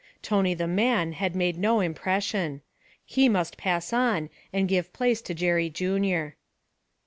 Tony the man had made no impression. He must pass on and give place to Jerry Junior.